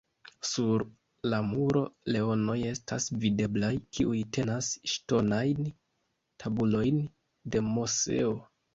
Sur la muro leonoj estas videblaj, kiuj tenas ŝtonajn tabulojn de Moseo.